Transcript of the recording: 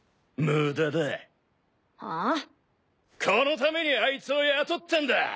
このためにあいつを雇ったんだ。